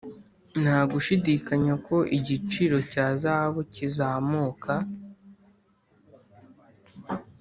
nta gushidikanya ko igiciro cya zahabu kizamuka.